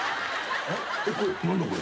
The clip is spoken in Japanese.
何だこれ？